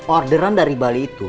orderan dari bali itu